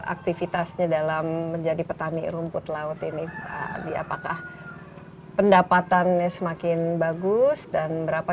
aktivitasnya dalam menjadi petani rumput laut ini di apakah pendapatannya semakin bagus dan berapa